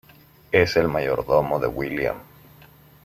Es el mayordomo de William.